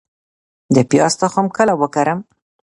د پیاز تخم کله وکرم؟